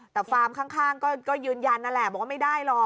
แต่ฟาร์มข้างก็ยืนยันนั่นแหละบอกว่าไม่ได้หรอก